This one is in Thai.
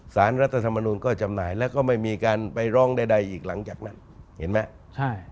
สารรัฐธรรมนูลก็จำหน่ายแล้วก็ไม่มีการไปร้องใดอีกหลังจากนั้นเห็นไหม